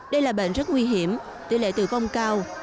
đây là bệnh rất nguy hiểm tỷ lệ tử vong cao